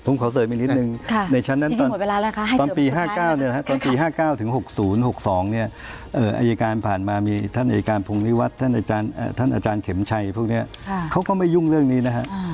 ผมขอเสิร์ชไลน์นิดหนึ่งในชั้นนั้นตอนปี๕๙๖๐๖๒เนี่ยอัยการผ่านมามีท่านอัยการพุงหิวัดอาจารย์เขมชัยพวกเนี่ยเขาก็ไม่ยุ่งเรื่องนี้นะครับ